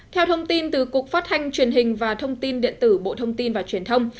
theo thông tin từ cục phát thanh truyền hình và thông tin điện tử bộ thông tin và truyền thông